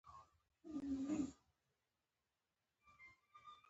دی له غوڅکۍ څخه رالی.